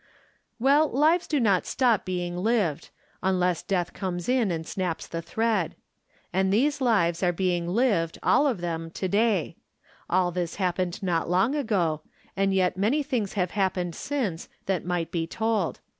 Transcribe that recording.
"Well, lives do not stop being lived, un less death comes in and snaps the thread. And these lives are being lived, all of them, to day. All this happened not long ago, and yet many things have happened since that might be told.